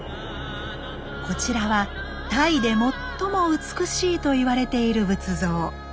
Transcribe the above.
こちらはタイで最も美しいと言われている仏像。